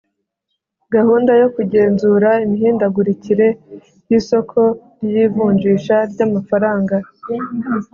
gahunda yo kugenzura imihindagurikire y'isoko ry'ivunjisha ry'amafaranga.